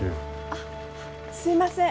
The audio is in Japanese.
あっすいません。